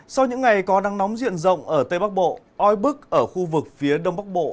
sau những ngày có nắng nóng diện rộng ở tây bắc bộ oi bức ở khu vực phía đông bắc bộ